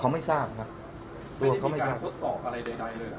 อ๋อเขาไม่ทราบครับตัวเขาไม่ทราบมันมีการทดสอบอะไรใดใดเลยหรือครับ